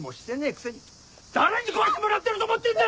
くせに誰に食わしてもらってると思ってんだ！